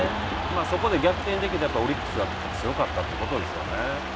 そこで逆転できたというのはオリックスが強かったということですよね。